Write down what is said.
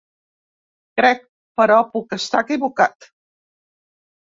Crec, però puc estar equivocat.